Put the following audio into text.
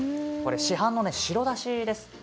これ市販の白だしです。